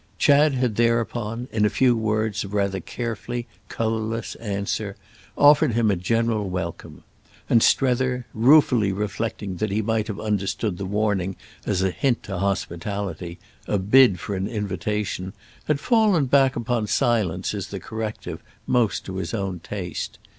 Chad had thereupon, in a few words of rather carefully colourless answer, offered him a general welcome; and Strether, ruefully reflecting that he might have understood the warning as a hint to hospitality, a bid for an invitation, had fallen back upon silence as the corrective most to his own taste.